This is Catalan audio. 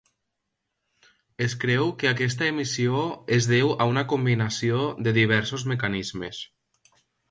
Es creu que aquesta emissió es deu a una combinació de diversos mecanismes.